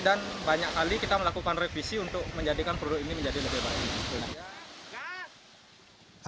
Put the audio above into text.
dan banyak kali kita melakukan revisi untuk menjadikan produk ini menjadi lebih baik